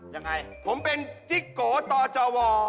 ยังไงผมเป็นจิ๊กโกตว